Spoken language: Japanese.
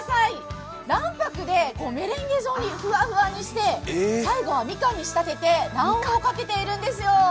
卵白でメレンゲ状にふわふわにして、最後はみかんに仕立てて卵黄をかけてるんですよ。